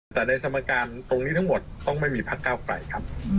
แต่ในสมการตรงนี้ทั้งหมดต้องไม่มีพักเก้าไกลครับ